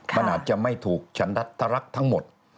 มันอาจจะไม่ถูกฉันรัฐรักษ์ทั้งหมด